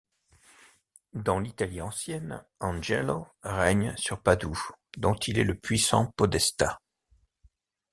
Dans L'Italie ancienne, Angelo règne sur Padoue dont il est le puissant podestat.